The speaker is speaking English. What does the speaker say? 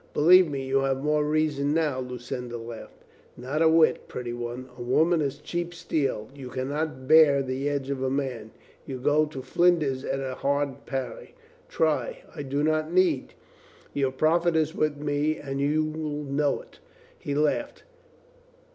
"Believe me, you have more reason now," Lu cinda laughed. "Not a whit, pretty one. A woman is cheap steel. You can not bear the edge of a man. You go to flinders at a hard parry." "Try!" "I do not need. Your profit is with me, and you'll know it." He laughed.